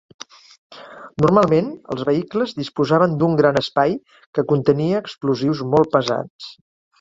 Normalment, els vehicles disposaven d'un gran espai que contenia explosius molt pesats.